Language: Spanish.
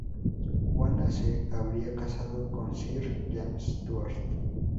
Juana se habría casado con Sir James Stuart.